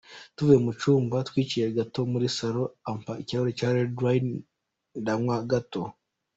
Tuvuye mu cyumba, twicaye gato muri salon, ampa ikirahure cya red wine ndanywa gato.